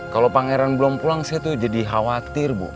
kalau pangeran belum pulang saya tuh jadi khawatir bu